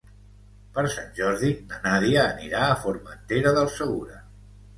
Per Sant Jordi na Nàdia anirà a Formentera del Segura.